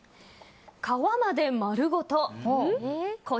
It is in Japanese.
皮までまるごと。